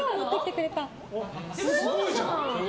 すごいじゃん！